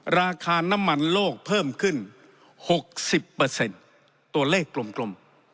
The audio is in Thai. ราคาน้ำมันโลกเพิ่มขึ้นหกสิบเปอร์เซ็นต์ตัวเลขกลมกลม